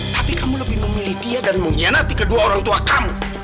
tapi kamu lebih memilih dia dan mengkhianati kedua orang tua kamu